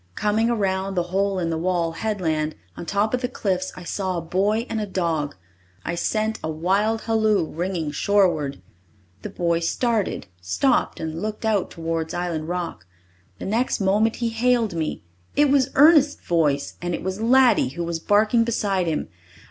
Coming around the "Hole in the Wall" headland, on top of the cliffs, I saw a boy and a dog. I sent a wild halloo ringing shoreward. The boy started, stopped and looked out towards Island Rock. The next moment he hailed me. It was Ernest's voice, and it was Laddie who was barking beside him.